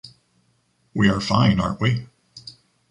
we are fine, aren’t we?